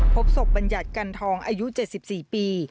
พบศพบัญญัติกันทองอายุ๗๔ปี